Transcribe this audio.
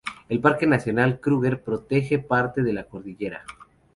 El Parque Nacional Kruger protege parte de la cordillera.